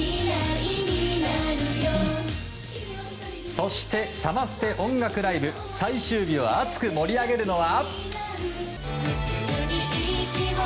そして「サマステ音楽ＬＩＶＥ」最終日を熱く盛り上げるのは。